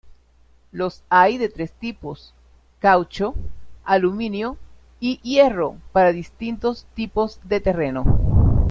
Los hay de tres tipos: caucho, aluminio y hierro para distintos tipos de terreno.